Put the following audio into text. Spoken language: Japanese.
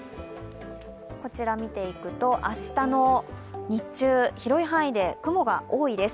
こちら見ていくと、明日の日中、広い範囲で雲が多いです。